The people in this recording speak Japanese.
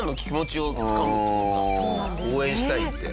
応援したいって。